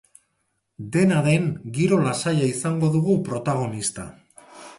Dena den, giro lasaia izango dugu protagonista.